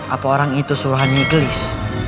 apa orang itu suruhan iglis